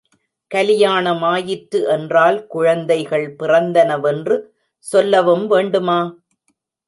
கலியானமாயிற்று என்றால் குழந்தைகள் பிறந்தனவென்று சொல்லவும் வேண்டுமா?